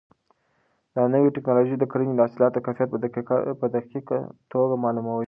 دا نوې ټیکنالوژي د کرنې د حاصلاتو کیفیت په دقیقه توګه معلوموي.